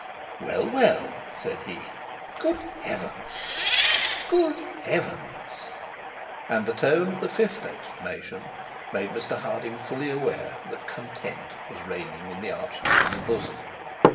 'Well, well,' said he. 'Good heavens! Good heavens!' and the tone of the fifth exclamation made Mr Harding fully aware that content was reigning in the archdeacon's bosom.